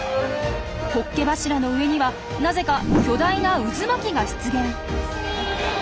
ホッケ柱の上にはなぜか巨大な渦巻きが出現。